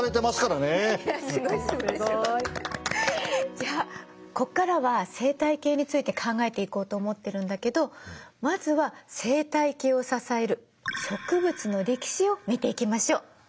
じゃあここからは生態系について考えていこうと思ってるんだけどまずは生態系を支える植物の歴史を見ていきましょ。